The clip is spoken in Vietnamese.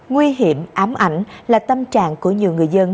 nguy hiểm ám ảnh là tâm trạng của nhiều người dân